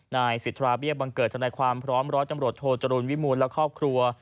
นายสิทธาเบี้ยบังเกิดทนายความพร้อมร้อยตำรวจโทจรูลวิมูลและครอบครัว